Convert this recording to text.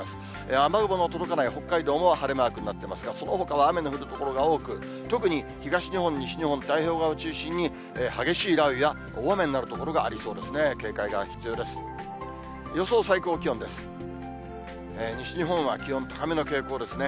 雨雲の届かない北海道も晴れマークになってますが、そのほかは雨の降る所が多く、特に東日本、西日本、太平洋側を中心に、激しい雷雨や大雨になる所がありそうですね。